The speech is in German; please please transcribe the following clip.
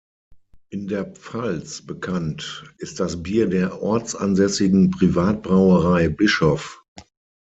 In der Pfalz bekannt ist das Bier der ortsansässigen Privatbrauerei Bischoff.